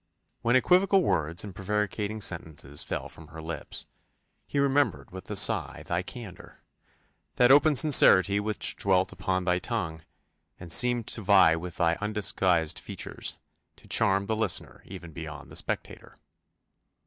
When equivocal words and prevaricating sentences fell from her lips, he remembered with a sigh thy candour that open sincerity which dwelt upon thy tongue, and seemed to vie with thy undisguised features, to charm the listener even beyond the spectator.